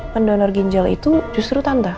pendonor ginjal itu justru tanda